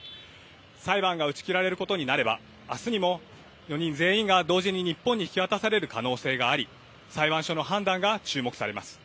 裁判が打ち切られることになればあすにも４人全員が同時に日本に引き渡される可能性があり裁判所の判断が注目されます。